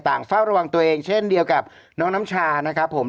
เฝ้าระวังตัวเองเช่นเดียวกับน้องน้ำชานะครับผม